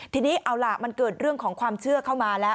ทีนี้เอาล่ะมันเกิดเรื่องของความเชื่อเข้ามาแล้ว